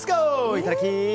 いただき！